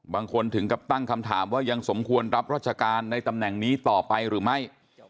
ถึงกับตั้งคำถามว่ายังสมควรรับราชการในตำแหน่งนี้ต่อไปหรือไม่